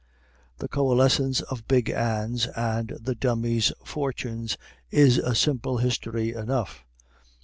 The coalescence of Big Anne's and the Dummy's fortunes is a simple history enough.